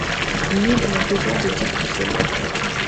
Nul n’est besoin de dire tout cela.